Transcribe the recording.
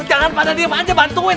jangan pada diem aja bantuin